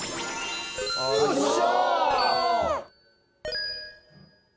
よっしゃ！